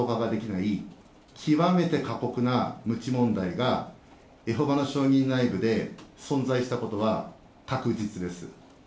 一切の正当化ができない極めて過酷なむち問題が、エホバの証人内部で存在したことは確実です。